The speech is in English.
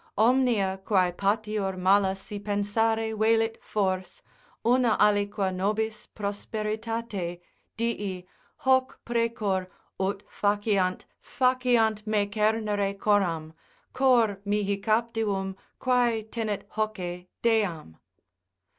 Omnia quae patior mala si pensare velit fors, Una aliqua nobis prosperitate, dii Hoc precor, ut faciant, faciant me cernere coram, Cor mihi captivum quae tenet hocce, deam.